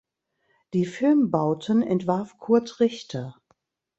Die Filmbauten entwarf Kurt Richter.